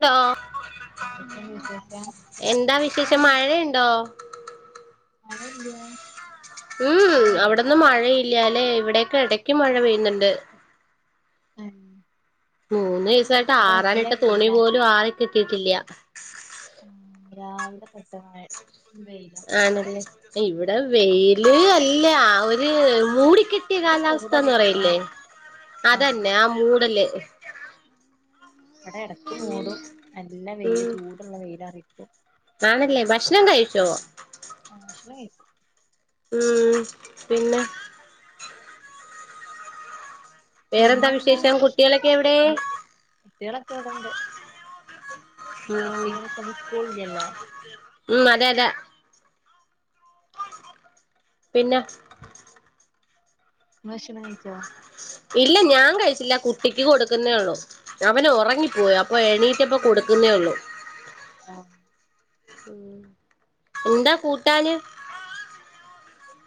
ന്തോ എന്തൊക്കെയുണ്ട് വിശേഷം എന്താ വിശേഷം മഴ ണ്ടോ മഴല്യാ ഉം അവിടന്നും മഴയില്ലാലേ ഇവിടൊക്കെ ഇടയ്ക്ക് മഴ ഉം പെയ്യുന്നുണ്ട് [inaudible] മൂന്ന് ദീസായിട്ട് ഇവിടെ നല്ല ആറാനിട്ട തുണി വെയിലാ പോലും ആറീ കിട്ടിട്ടില്ല രാവിലെതോട്ടങ്ങു ആണല്ലേ ഇവിടെ വെയില് അല്ല ആ ഒര് മൂടി കിട്ടിയ ഒരു കാലവസ്ഥാന്നു മൂടല് പറയില്ലേ ആഹ് ആഹ് അതന്നെ ആ മൂടല് അവിടെ ഇടക്ക് മൂടും നല്ല വെയില് ഉം ചൂടുള്ള വെയില അറയിക്കും ആണല്ലേ ഭക്ഷണം കഴിച്ചോ ആ [unintelligible] ഉം പിന്നെ വേറെന്താ പിന്നെ എന്താ വിശേഷം കുട്ടികളൊക്കെ എവിടെ കുട്ടികളൊക്കെ ഇവിടെണ്ട് ഉം കുട്ടികളൊക്കെ ഇന്ന് സ്കൂളില്ലല്ലോ ഉം അതെ അതെ പിന്ന ഭക്ഷണം കയിച്ചോ ഇല്ല ഞാൻ കഴിച്ചില്ല കുട്ടിക്ക് കൊടുക്കുന്നേള്ളോ അവന് ഉറങ്ങിപ്പോയ അപ്പൊ എണീറ്റപ്പൊ കൊടുക്ക പിന്നെള്ളൂ [inaudible] എന്താ കൂട്ടാന്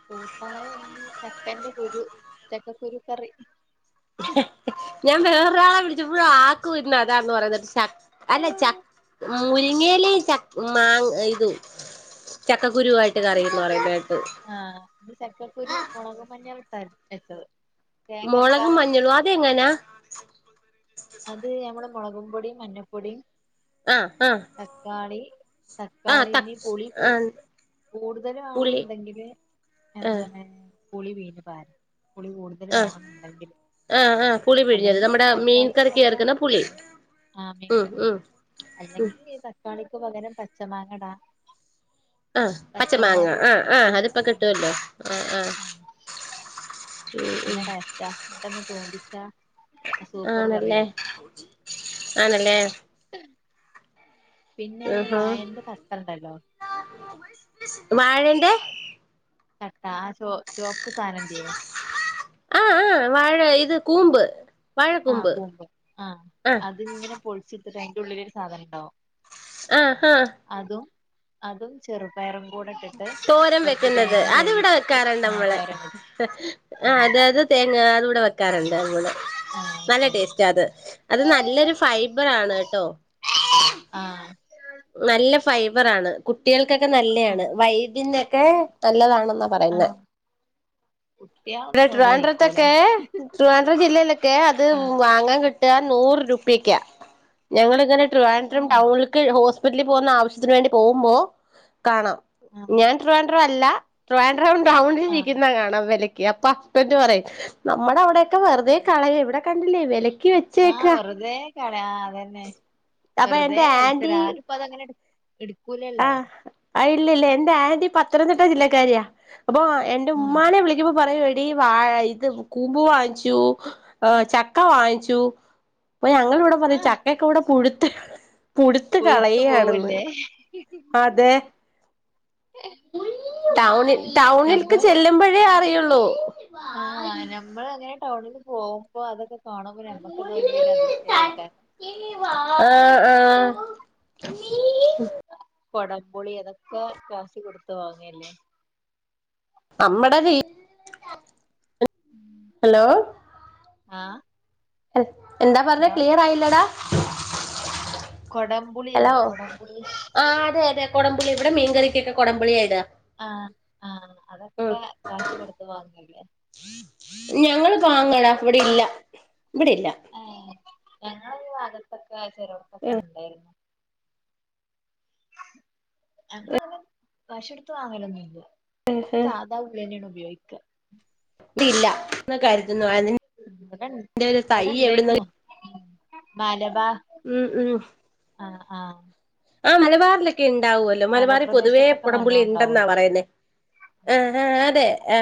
കൂട്ടാന് ചക്കെന്റ കുരു ചക്കക്കുരു കറി [unintelligible] ഞാൻ വേറൊരാളെ വിളിച്ചപ്പോഴും ആക്കും ന്ന് അതാന്ന് പറയിട്ട് ച അല്ലെ ച മുരിങ്ങയിലയും ചക്കാ മാ ഇതും ചക്കങ്ങകുരുവായിട്ട് കറിയന്ന് പറയുന്ന കേട്ട് ആഹ് ഇന്ന് ചക്കക്കുരു മുളകും [unintelligible] തേങ്ങ മുളകും അരക്കാതെ മഞ്ഞളും അതെങ്ങങ്ങനാ അത് ഞമ്മള് മുളകും പൊടി മഞ്ഞപ്പൊടിം ആഹ് ആഹ് തക്കാളി ആഹ് ത തക്കാളീൻറിം പുളീ കൂ ആഹ് കൂടുതൽ പുളി വേണെന്നുണ്ടെങ്കില് ആ ആഹ് എന്താണ് പുളി പീഞ്ഞു പാരും പുളി കൂടുതൽ ആ വേണെന്നുണ്ടെങ്കിൽ ആ ആ പുളി പിഴിഞ്ഞത് നമ്മുടെ മീൻ കറിക്ക് അതേരാ ചേർക്കുന്ന പുളി ആ ഉം പിന്നെന്താ ഉം തക്കാളീക്കും പകരം പച്ചമാങ്ങടാ ആ പച്ച മാങ്ങ ആ ആ അതിപ്പ കിട്ടുവല്ലോ ആ ആ [unintelligible] നല്ല ടേസ്റ്റാ പെട്ടെന്ന് ചോദിച്ചാ സൂപ്പർ ആണല്ലേ കറിയായി ആണല്ലേ പിന്നെ ആഹാ വായന്റെ തട്ടണ്ടല്ലോ ന്തേ ചട്ടാ ആ ചോ ചോപ്പ് സാനത്തിന് ആഹ് ആഹ് വാഴ ഇത് കൂമ്പ് ആഹ വാഴക്കൂമ്പ് കൂമ്പ് ആഹ് അതി ഇങ്ങനെ പൊളിച്ചെടുത്തിട്ട് അതിന്റെ ഉള്ളിലൊരു സാധനം ഉണ്ടാവും ആ ഹാ അതും അതും ചെറുപയറും കൂടെട്ടിട്ട് തോരൻ കുറച്ച് വെക്കുന്നത് തേങ്ങയും അതിവിടെ ചേരകീട്ടിട്ടു വെക്കാറുണ്ട് ആ നമ്മള് തോരൻ ആഹ് അത അത് തേങ്ങ അത കൂടെ വ നല്ല ആഹ് ടെയ്സ്റ്റ അത് അത് നല്ലൊരു ഫൈബർ ആണ് കേട്ടോ ആ നല്ല ഫൈബറാണ് കുട്ടികൾക്കൊക്കെ നല്ലതാണ് ആഹ് വൈദ്യന്യൊക്കെ നല്ലതാണ് പറയുന്നെ ആഹ് ഇടെ കുട്ടികളൊന്നും അത് കഴിക്കൂല ട്രിവാൻഡ്രെട്ത്തൊക്കെ ട്രിവാൻഡ്രം ജില്ലയിലൊക്കെ അത് ആഹ് വാങ്ങാൻ കിട്ട നൂറ് രൂപ ഞങ്ങളിങ്ങനെ തിരുവനന്തപുരം ആഹ് ടൗണിലക്ക് സ്പിറ്റലിൽ പോകുന്ന ആവശ്യത്തിന് വേണ്ടി പോവുമ്പോ കാണാം ആഹ് ഞാൻ ട്രിവാൻഡ്രം അല്ല ടൗണിൽ ആഹ് രിക്കുന്ന കാണാം വില അപ്പ അപ്പു പറയും നമ്മുടെ അവിടെക്കെ വെറുതെ കളയ ഇവിടെ കണ്ടില്ലേ വില ആഹ് വെറുതെ കള ആ അതന്നെ അപ്പൊ വെറുതെ എന്റെ ആന്റി വലിച്ചെറ്യ ആരും ഇപ്പ അതങ്ങനെ എടു എടു ആ ഇല്ലല്ല എന്റെ ആന്റി പത്തനംതിട്ട ജില്ലക്കാരിയാ അപ്പൊ എന്റെ ആഹ് ഉമ്മാനെ വിളിക്കുമ്പോ പറയു എ വാ- ഇത് കൂമ്പ് വാങ്ങിച്ചു ആ ചക്ക വാങ്ങിച്ചു അപ്പൊ ഞങ്ങള ഇവ്ടെ പറയും ആഹ് ചക്കയൊക്കെ ഇവ്ടെ പുഴുത്ത് പുഴുത്ത് കളയാണെന്ന് ഹി അതെ ഉം ടൗണിൽ ടൗണിൽക്ക് ചെല്ലുമ്പോഴേ അറിയുള്ളൂ ആഹ് നമ്മളങ്ങനെ ടൗണിൽ പോകുമ്പോ അതൊക്കെ കാണുമ്പോ നമ്മക്കത് വല്യൊരു അതിശയയിക്കാരം ഉം കുടംപൊളി അതൊക്കെ കാശ് കൊടുത്ത് വങ്ങല്ലേ നമ്മടെ രീ- ഹലോ ആഹ് എന്താ പറഞ്ഞത് ക്ലിയർ ആയില്ലടാ ഹലോ കൊടംപുളില്ലേ കൊടംപുളി ആഹ് അതെ അതെ കൊടംപുളി ഇവിടെ മീൻകറിക്കൊക്കെ കൊടംപുള്യാ ഇടാ ആ ആഹ ഉം അതൊക്കെ കാശ് കൊടുത്ത് വാങ്ങല്ലേ ഞങ്ങള് പാങ്ങടാ ഇവിടില്ല ഇവിടെല്ല ഞങ്ങളരു ഭാഗത്തൊക്കെ ഇവിടെ ചെലോട്ത്തൊക്കെണ്ടേർന്നു അങ്ങ അങ്ങനെ പിശെടുത്ത് വാങ്ങലൊന്നുല്ല്യ സാധാ ഉള്ളേനെയാണ് ഉപയോഗിക്ക ല്ല എന്നൊ കരുത് ന്നു ഇവിടെൺ ഐന്റെ ഒരു തൈ എവിടെന്ന് ഇവിടെണ്ടായിരുന്നു ഉം ഉം ആഹ ആഹ ആ മലബാറിലൊക്കെ ഉണ്ടാവല്ലോ മലബാറിൽ പൊതുവേ മലപ്രദേശത്തൊക്കെ നല്ലോ കുടംപുളി ഉണ്ടെന്നാ ഉണ്ടാവുമല്ലോ പറയുന്നേ ആ ആ അതെ ആ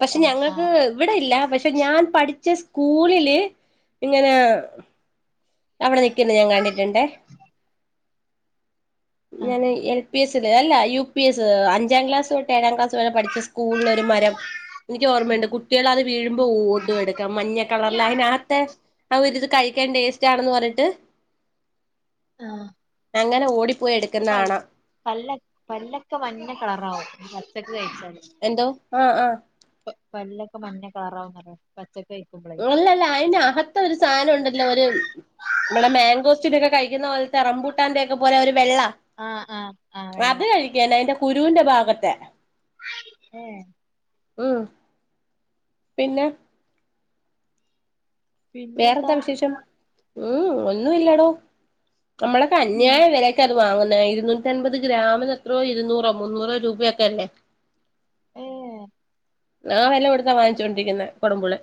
പക്ഷെ ആഹ് ഞങ്ങൾക്ക് ആഹ് ഇവിടെ ഇല്ല പക്ഷെ ഞാൻ പഠിച്ച സ് സ്കൂളില് ഇങ്ങനെ അവിടെ നിക്കുന്നു ഞാൻ കണ്ടിട്ടുണ്ടേ ഞാൻ ആഹ് എൽ പി എസ് അല്ല യു പി എസ് അഞ്ചാം ക്ലാസ് തൊട്ട് ഏഴാം ക്ലാസെരെ പഠിച്ച സ്കൂളിൽ ഒരു മരം എനിക്ക് ഓർമ്മയുണ്ട് കുട്ടികൾ അത് വീഴുമ്പോ ഓടും എടുക്കാൻ മഞ്ഞ കളറൽ ആഹ് അതിനകത്തെ അവരിത് കഴിക്കാൻ ടേസ്റ്റ് ആണന്ന് പറഞ്ഞിട്ട് ആഹ അങ്ങനെ ഓടിപ്പോയി അത് എടുക്കുന്ന കാണാം പല്ല പല്ലക്കെ മഞ്ഞ കളറാവും കഴിച്ചാല് എന്തോ ആഹ് ആഹ പല്ലൊക്കെ മഞ്ഞ കളറാവുന്ന്റ്യ പച്ച ല്ലല്ല അതിന്റെ അകത്തൊരു സാധനം ഉണ്ടല്ലോ ഒരു ഇവിടെ മാംഗോ കഴുന്ന പോലത്തെ റമ്പുട്ടാന്റെ ഒക്കെ പോലെ ഒരു വെള്ള ആഹ് ആഹ് ആഹ് വെള്ള അത് കഴിക്കന്നെ അയ്ന്റെ കുരൂന്റെ ഭാഗത്തെ ഉം ഉം പിന്നെ വേറെന്താ പിന്നെന്താ വിശേഷം ഉം ഒന്നും ഇല്ലാടോ നമ്മളൊക്കെ അന്യായ വിലക്ക അത് വാങ്ങുന്ന ഇരുന്നൂറ്റി അമ്പപത് ഗ്രാമിൽ എത്രോ ഇരുന്നൂറോ മുന്നൂറോ രൂപോ ക്കല്ലേ ഏഹ് ആ വല്ല കൊടുത്താ വാങ്ങിച്ചോണ്ടിരിക്കുന്ന കൊടമ്പുളി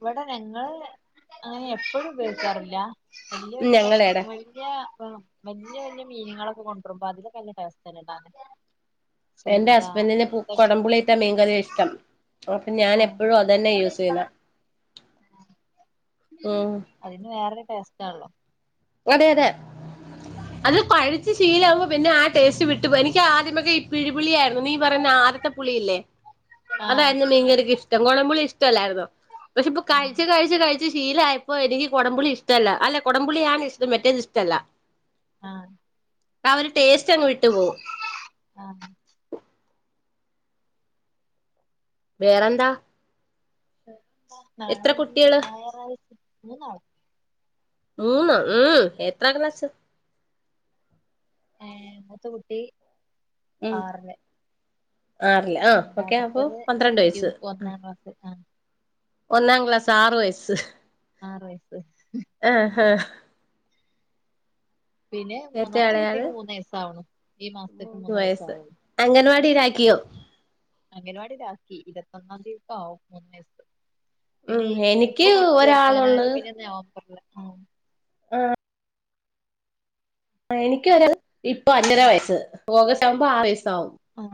ഇവിടെ ഞങ്ങള് അങ്ങനെ എപ്പോഴും ഉപയോഗിക്കാറില്ല വല്യ വല്യ കഷ്ട ഞങ്ങളേടെ വല്യ വല്യ വല്യ മീനങ്ങളൊക്കെ കൊണ്ടുവരുമ്പോ അതില് നല്ല ടെസ്റ്റ് ഇടാന് എന്റെ സൂത ഹസ്ബൻറിന് അങ്ങനത്തെ കൊടംപുളി ഇട്ട മീൻകറിയാ ഇഷ്ടം അപ്പൊ ഞാൻ ആഹ് എപ്പോഴും അതന്നെ യൂസ് ചെയ്യുനാ ഉം ടെസ്റ്റാല്ലോ അതെ അതെ അത് കഴിച്ച് ശീലമാകുമ്പോ പിന്നെ ആ ടേസ്റ്റ് വിട്ട എനിക്ക് ആദ്യമൊക്കെ ഈ പിഴിപിളിയ നീ പറഞ്ഞ ആദ്യത്തെ പുളിയില്ലേ ആഹ് അതായിരുന്നു മീൻകറിക്ക് ഇഷ്ടം കോടംപുളി ഇഷ്ടമല്ലായിരുന്നോ പക്ഷെ ഇപ്പ ആഹ് കഴച്ച് കഴിച്ച് കഴിച്ച് ശീലമായയപ്പോ എനിക്ക് കുടംപുളി ഇഷ്ടല്ല അല്ല കുടംപുളിയാണ് ഇ മറ്റേത് ഇഷ്ടല്ല ആ അവര് ടേസ്റ്റ് അങ്ങ് വിട്ടു പോകും ആഹ് വേറെന്താ എത്ര നാളെ കുട്ടികള് ഞായറാഴ്ച മൂന്നാളും മൂന്ന ഉം എത്ര ക്ലാസ് ഹേ മൂത്ത കൂട്ടി ഉം ആറില് ആറില് ആ ഓക്കെ അപ്പൊ രണ്ടാമത്തേത് പന്ത്രണ്ട് യു വയസ്സ് ഒന്നാം ക്ലാസ് ആഹ് ഒന്നാംക്ലാസ് ആറ് വയസ്സ് ആറ് വയസ്സ് ആഹ് ആഹ് പിന്നെ ഏറ്റവും മൂന്നാമത്തെ ഇളയാള് കുട്ടിക്ക് മൂന്ന വയസാവൂണു ഈ മാസത്തേക്ക് മൂന്നു വയസ്സ് ആവുള്ളു ക്കിയോ അംഗനവാടി കാക്കി ഇരുപത്തൊന്നാം തീയതിക്ക് ആവും മൂന്ന് വയസ്സ് പിന്നെ ഉം ഇപ്പൊ എനിക്ക് കൊ ഒരാളുള്ളൂ ചേർക്കാനാലും പിന്നെ നവംബറില് ആഹ് ആ എനിക്ക് വരാ ഇപ്പൊ അഞ്ചര വയസ് ഓഗസ്റ്റ് ആകുമ്പോ ആറ് വയസ്സ് ആ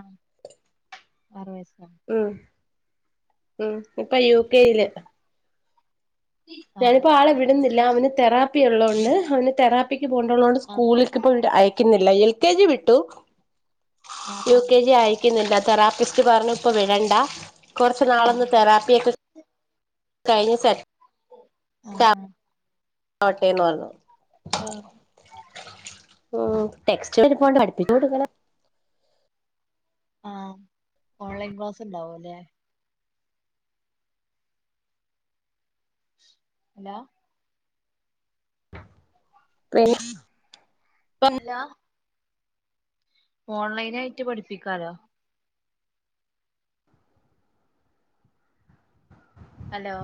ആറു വയസ്സോ ഉം ഉം ഇപ്പൊ യു കെയില് ആഹ് ഞാനിപ്പോ ആളെ വിടുന്നില്ല അവന് തെറാപ്പി ഉള്ളത് തൊണ്ട് അവന് തെറാപ്പി പോണ്ടതോണ്ട് ആഹ് സ്കൂളില ഇപ്പോ അയക്കുന്നില്ല എൽ കെ ജി വിട്ടു ആഹ് യുകെ ജി അയക്കുന്നില്ല തെറാപ്പിസ്റ്റു പറഞ്ഞുഇപ്പോൾ വിടണ്ട കൊറച്ച നാളൊന്ന് ആഹ് തെറാപ്പിയ ഒക്കെ കഴിഞ്ഞഞ് സെറ്റ് ആ ആ ആട്ടേന്ന് പറഞ്ഞു ആ ഉ ടെക്സ്റ്റ്ണ്ട് ഇരിപ്പുണ്ട് പഠിപ്പിച്ച കൊടുക്കണം ആ ഓൺലൈൻ ക്ലാസ്സ് ഉണ്ടാവും അല്ലെ ഹലോ പിന്ന ഹലോ ഓൺലൈന ആയിട്ട് പഠിപ്പിക്കാലോ ഹലോ